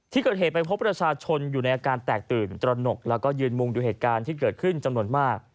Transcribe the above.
ที่เกิดเหตุไปพบประชาชนอยู่ในอาการแตกตื่นตระหนกแล้วก็ยืนมุงดูเหตุการณ์ที่เกิดขึ้นจำนวนมาก